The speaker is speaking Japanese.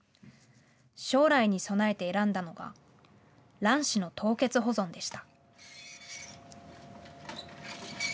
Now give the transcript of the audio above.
将来に備えて選んだのが卵子の凍結保存でした。